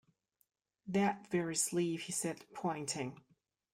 "That very sleeve," he said, pointing.